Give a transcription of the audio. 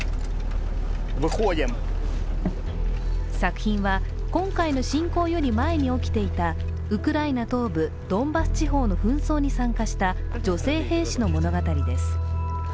作品は、今回の侵攻より前に起きていたウクライナ東部ドンバス地方の紛争に参加した女性兵士の物語です。